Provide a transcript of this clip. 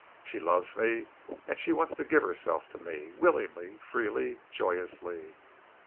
She loves me and she wants to give herself to me, willingly, freely, joyously.